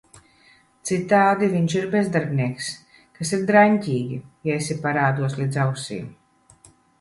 Citādi viņš ir bezdarbnieks - kas ir draņķīgi, ja esi parādos līdz ausīm…